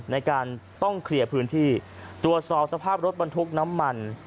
ในการต้องเคลียร์พื้นที่ตรวจสอบสภาพรถบรรทุกน้ำมัน